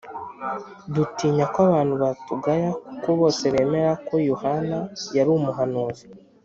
dutinya ko abantu batugaya kuko bose bemera ko Yohana yari umuhanuzi.”